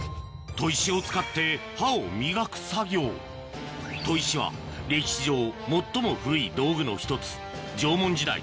砥石を使って刃を磨く作業砥石は歴史上最も古い道具の１つ縄文時代